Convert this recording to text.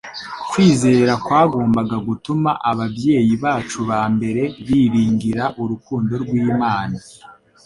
Kwizera kwagombaga gutuma ababyeyi bacu ba mbere biringira urukundo rw'Imana,